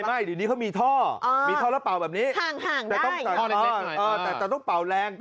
ไม่มีท่อมีท่อมีท่อจะเป่าแบบนี้แต่ต้องเป่าแรง